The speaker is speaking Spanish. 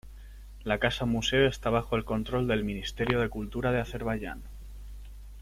La casa museo está bajo el control del Ministerio de Cultura de Azerbaiyán.